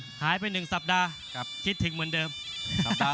ผมชายสิทธิ์อาจารย์บี้อมรชายเพิ่มภูมิครับ